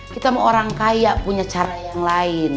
kita mau orang kaya punya cara yang lain